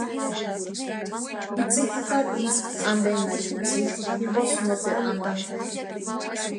Itsï jukari isku ampenharhinhasïnti jimposï noteru antankutʼi.